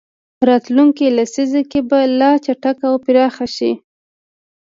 راتلونکې لسیزه کې به لا چټک او پراخ شي.